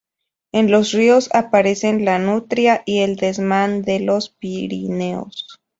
En los ríos aparecen la nutria y el desmán de los Pirineos.